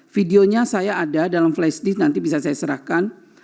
videonya saya ada dalam flash disk nanti bisa saya serahkan